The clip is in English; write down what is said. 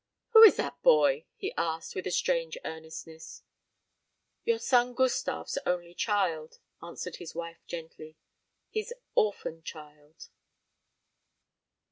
"Who is that boy?" he asked, with a strange earnestness. "Your son Gustave's only child," answered his wife gently, "his orphan child."